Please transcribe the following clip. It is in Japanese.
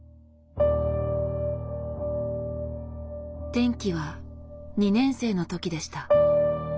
転機は２年生の時でした。